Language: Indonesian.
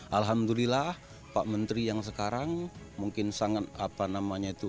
alhamdulillah pak menteri yang sekarang mungkin sangat apa namanya itu